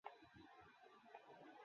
তারা বলবে, না।